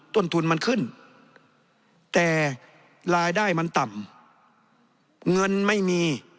ต้นทุนมันขึ้นแต่รายได้มันต่ำเงินไม่มี